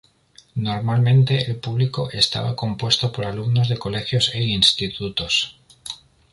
Normalmente el público estaba compuesto por alumnos de colegios e institutos.